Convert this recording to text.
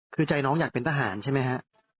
คือใจน้องอยากเป็นทหารใช่ไหมฮะ